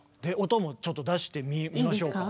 音もちょっと出してみましょうか？